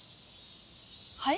はい？